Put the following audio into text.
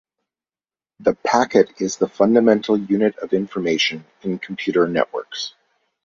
The packet is the fundamental unit of information in computer networks.